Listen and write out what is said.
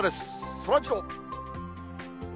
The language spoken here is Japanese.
そらジロー。